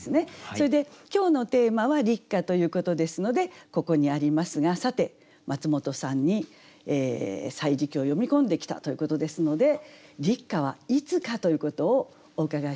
それで今日のテーマは「立夏」ということですのでここにありますがさてマツモトさんに「歳時記」を読み込んできたということですので立夏はいつかということをお伺いしたいと思います。